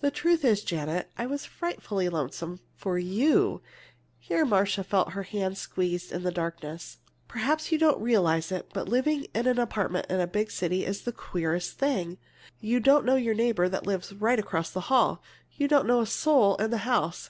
"The truth is, Jan, I was frightfully lonesome for you!" Here Marcia felt her hand squeezed in the darkness. "Perhaps you don't realize it, but living in an apartment in a big city is the queerest thing! You don't know your neighbor that lives right across the hall. You don't know a soul in the house.